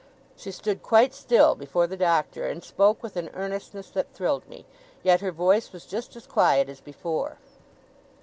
She stood quite still, before the Doctor, and spoke with an earnestness that thrilled me. Yet her voice was just as quiet as before.